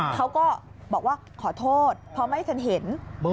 เขาก็บอกว่าขอโทษเพราะไม่ฉันเห็น